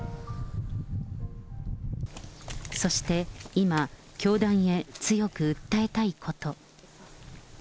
そして、今、教団へ強く訴えたいこと。